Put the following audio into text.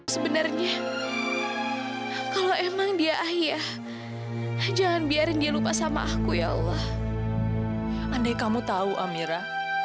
sampai jumpa di video selanjutnya